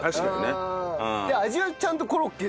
味はちゃんとコロッケ。